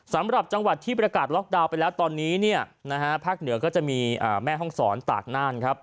สำหรับจังหวัดที่ประกาศล็อกดาวน์ไปแล้วตอนนี้เนี่ยนะฮะภาคเหนือก็จะมีแม่ห้องศรตากน่านครับ